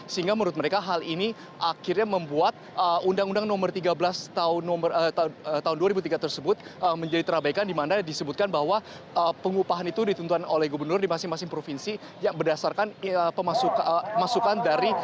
sehingga menurut mereka hal ini akhirnya membuat undang undang nomor tiga belas tahun dua ribu tiga tersebut menjadi terabaikan di mana disebutkan bahwa pengupahan itu ditentukan oleh gubernur di masing masing provinsi yang berdasarkan masukan dari